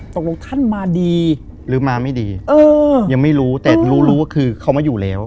แต่รู้ว่าคือเขามาอยู่แล้ว